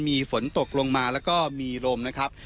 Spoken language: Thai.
มีฝนตกลงมาแล้วก็มีลมนะครับ